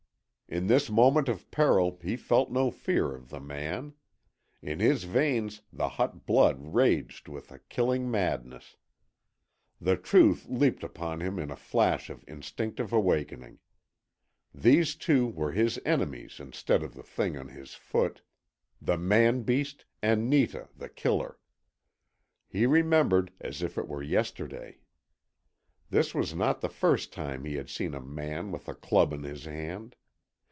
In this moment of peril he felt no fear of the man. In his veins the hot blood raged with a killing madness. The truth leapt upon him in a flash of instinctive awakening. These two were his enemies instead of the thing on his foot the man beast, and Netah, The Killer. He remembered as if it were yesterday. This was not the first time he had seen a man with a club in his hand.